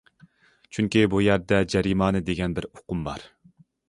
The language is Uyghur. چۈنكى بۇ يەردە جەرىمانە دېگەن بىر ئۇقۇم بار.